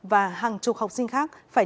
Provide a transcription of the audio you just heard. và hàng chục học sinh khác phải